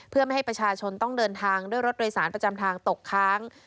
เพื่อไม่ให้ประชาชนต้องเดินทางด้วยรถโดยสารประจำทางตกค้าง